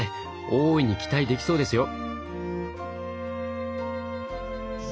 大いに期待できそうですよ！